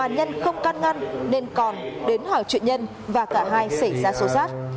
nhân không can ngăn nên còn đến hỏi chuyện nhân và cả hai xảy ra số sát